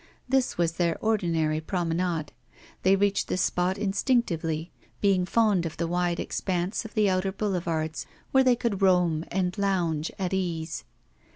This was their ordinary promenade; they reached the spot instinctively, being fond of the wide expanse of the outer boulevards, where they could roam and lounge at ease.